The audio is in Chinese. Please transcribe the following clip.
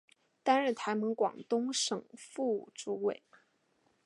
担任台盟广东省副主委。